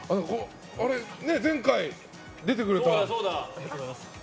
前回、出てくれたよね？